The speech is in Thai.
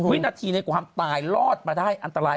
วินาทีในความตายรอดมาได้อันตราย